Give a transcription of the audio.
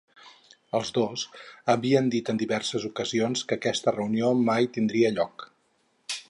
Els dos havien dit en diverses ocasions que aquesta reunió mai tindria lloc.